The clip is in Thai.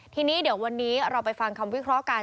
ทีนี้เดี๋ยววันนี้เราไปฟังคำวิเคราะห์กัน